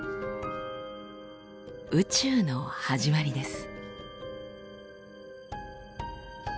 宇宙の始まりです。